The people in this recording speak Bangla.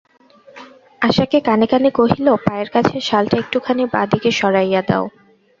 আশাকে কানে কানে কহিল, পায়ের কাছে শালটা একটুখানি বাঁ দিকে সরাইয়া দাও।